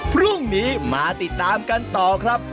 พรุ่งนี้มาติดตามกันต่อครับ